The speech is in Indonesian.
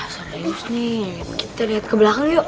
serius nih kita lihat ke belakang yuk